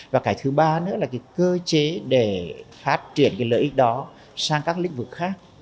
và cái thứ ba nữa là cơ chế để phát triển lợi ích đó sang các lĩnh vực khác